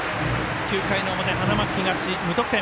９回の表、花巻東、無得点。